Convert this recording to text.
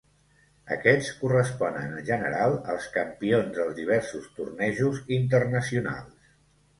Aquests corresponen, en general, als campions dels diversos tornejos internacionals.